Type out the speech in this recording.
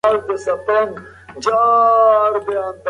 موږ د انټرنیټ له لارې د نورو هیوادونو تاریخ لولو.